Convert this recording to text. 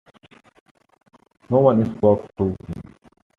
No one spoke to him.